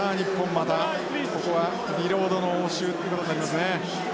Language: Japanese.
またここはリロードの応酬ということになりますね。